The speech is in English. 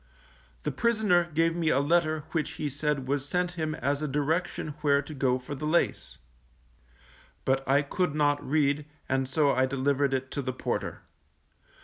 The prisoner gave me a letter which he said was sent him as a direction where to go for the lace; but I could not read, and so I delivered it to the porter.